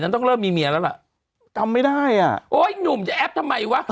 ต้องเริ่มมีเมียแล้วล่ะจำไม่ได้อ่ะโอ้ยหนุ่มจะแอปทำไมวะ